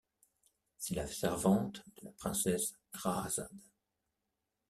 C'est la servante de la princesse Rahàzade.